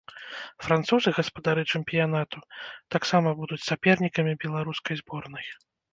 Французы, гаспадары чэмпіянату, таксама будуць сапернікамі беларускай зборнай.